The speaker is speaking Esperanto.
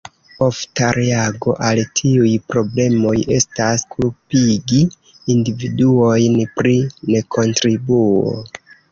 Ofta reago al tiuj problemoj estas, kulpigi individuojn pri nekontribuo.